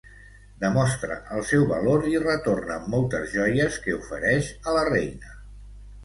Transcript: Demostra el seu valor i retorna amb moltes joies que ofereix a la reina.